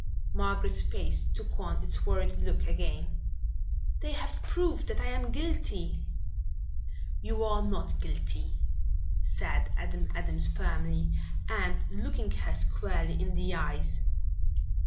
Margaret's face took on its worried look again. "They have proved that I am guilty." "You are not guilty," said Adam Adams firmly and looking her squarely in the eyes.